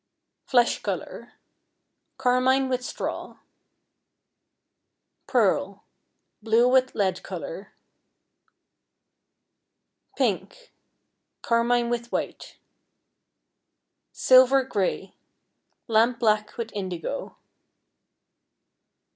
Flesh Color, carmine with straw. Pearl, blue with lead color. Pink, carmine with white. Silver Gray, lamp black with indigo.